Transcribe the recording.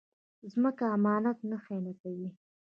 ځمکه امانت نه خیانتوي